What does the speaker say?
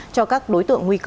cho các đối tượng nguy cơ